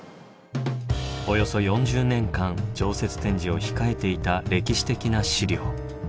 およそ４０年間常設展示を控えていた歴史的な資料。